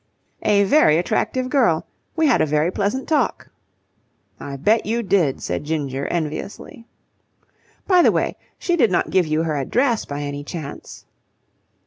"A very attractive girl. We had a very pleasant talk." "I bet you did," said Ginger enviously. "By the way, she did not give you her address by any chance?"